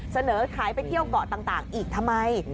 เสนอขายไปเที่ยวเกาะต่างอีกทำไม